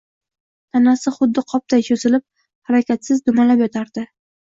Tanasi xuddi qopday cho`zilib harakatsiz dumalab yotardi